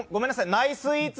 ナイススイーツ！